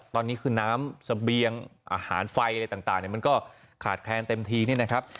ตอนนี้คือน้ำเสบียงอาหารไฟอะไรต่างมันก็ขาดแคลนเต็มทีนี่นะครับ